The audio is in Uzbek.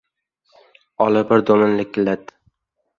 Olapar dumini likillatdi.